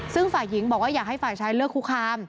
ซึ่งฝ่ายหญิงบอกว่าอยากให้ฝ่ายชายเลิกคุกคาม